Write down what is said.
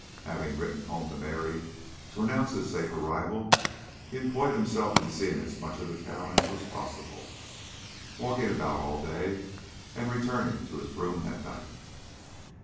Having written home to Mary to announce his safe arrival, he employed himself in seeing as much of the town as was possible, walking about all day, and only returning to his room at night.